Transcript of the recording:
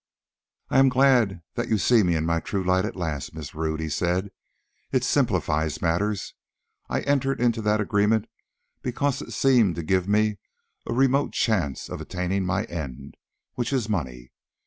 "I am glad that you see me in my true light at last, Miss Rodd," he said. "It simplifies matters. I entered into that agreement because it seemed to give me a remote chance of attaining my end, which is money.